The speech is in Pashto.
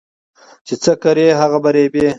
چي څه کرې هغه به رېبې